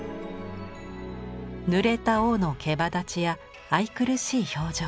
ぬれた尾のけばだちや愛くるしい表情。